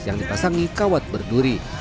yang dipasangi kawat berduri